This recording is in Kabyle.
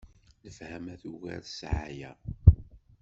Lefhama tugar ssɛaya.